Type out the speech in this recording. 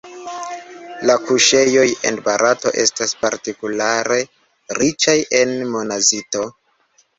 La kuŝejoj en Barato estas partikulare riĉaj en monazito.